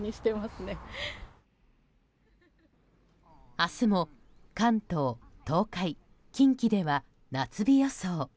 明日も関東、東海、近畿では夏日予想。